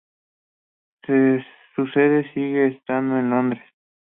Su sede sigue estando en Londres.